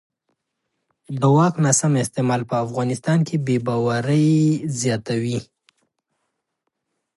د واک ناسم استعمال په افغانستان کې بې باورۍ زیاتوي